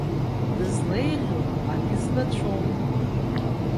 Дызлеиӷьу агьызбацәом…